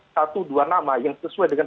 satu dua nama yang sesuai dengan